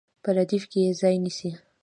په ردیف کې یې ځای نیسي.